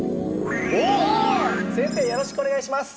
よろしくお願いします！